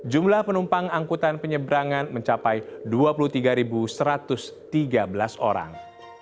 jumlah penumpang angkutan penyeberangan mencapai dua puluh tiga satu ratus tiga belas orang